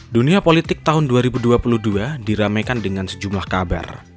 dunia politik tahun dua ribu dua puluh dua diramaikan dengan sejumlah kabar